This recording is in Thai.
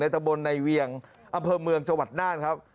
ตะบนในเวียงอำเภอเมืองจังหวัดน่านครับ